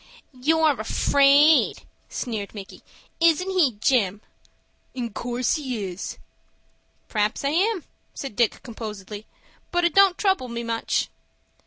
"You're afraid," sneered Micky. "Isn't he, Jim?" "In course he is." "P'r'aps I am," said Dick, composedly, "but it don't trouble me much."